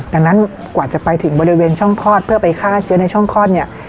ดังนั้นกว่าจะไปถึงบริเวณช่องคลอดเพื่อไปฆ่าเชื้อในช่องคลอดเนี่ย